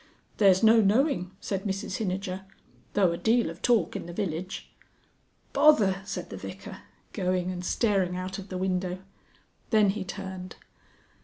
"There's no knowing," said Mrs Hinijer. "Though a deal of talk in the village." "Bother!" said the Vicar, going and staring out of the window. Then he turned.